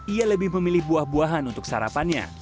ia lebih memilih buah buahan untuk sarapannya